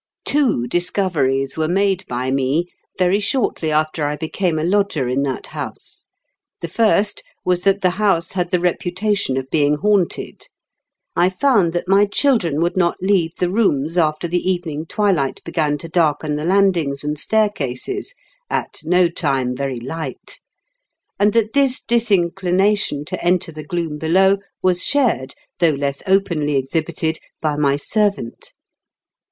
Two discoveries were made by me very shortly after I became a lodger in that house. The first was that the house had the reputation of being haunted. I found that my children would not leave the rooms after the evening twilight began to darken the landings and staircases, at no time very light ; and that this disinclination to enter the gloom below was shared, though less openly exhibited, by my ser vant.